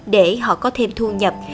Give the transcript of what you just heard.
để họ có thêm thu nhập